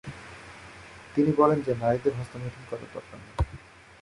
তিনি বলেন যে নারীদের হস্তমৈথুন করার দরকার নেই।